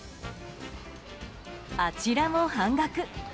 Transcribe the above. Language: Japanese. あちらも半額。